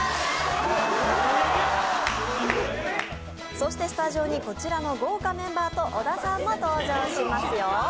そしてスタジオにこちらの豪華メンバーと小田さんも登場しますよ。